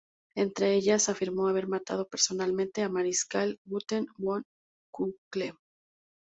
Entre ellas, afirmó haber matado personalmente al Mariscal Günther von Kluge.